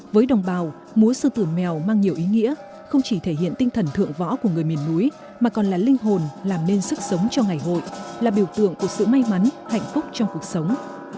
với đồng bào múa sư tử mèo mang nhiều ý nghĩa không chỉ thể hiện tinh thần thượng võ của người miền núi mà còn là linh hồn làm nên sức sống cho ngày hội là biểu tượng của sự may mắn hạnh phúc trong cuộc sống